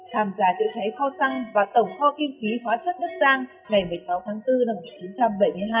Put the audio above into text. tham gia chữa cháy kho xăng và tổng kho kim khí hóa chất đức giang ngày một mươi sáu tháng bốn năm một nghìn chín trăm bảy mươi hai